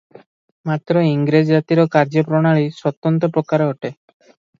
ମାତ୍ର ଇଂରେଜ ଜାତିର କାର୍ଯ୍ୟପ୍ରଣାଳୀ ସ୍ୱତନ୍ତ୍ର ପ୍ରକାର ଅଟେ ।